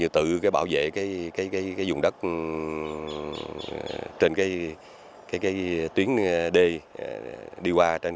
tự bảo vệ dùng đất trên tuyến đê đi qua dùng đất của mình